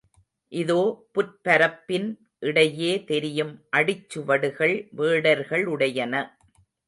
இதோ புற்பரப்பின் இடையே தெரியும் அடிச்சுவடுகள் வேடர்களுடையன.